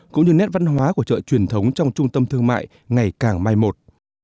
cũng như nét văn hóa của chợ truyền thống trong trung tâm thương mại ngày càng mai một